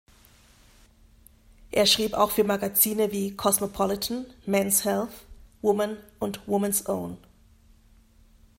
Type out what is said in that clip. Er schrieb auch für Magazine wie "Cosmopolitan, Men’s Health, Woman und Woman’s Own.